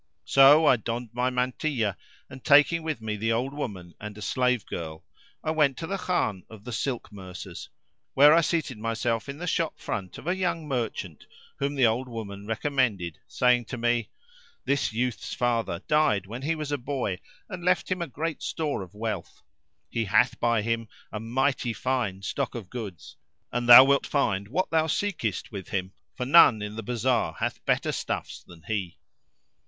So I donned my mantilla and, taking with me the old woman and a slave girl,[FN#341] I went to the khan of the silk mercers, where I seated myself in the shop front of a young merchant whom the old woman recommended, saying to me, "This youth's father died when he was a boy and left him great store of wealth: he hath by him a mighty fine[FN#342] stock of goods and thou wilt find what thou seekest with him, for none in the bazar hath better stuffs than he.